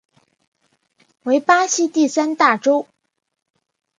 为巴西第三大州。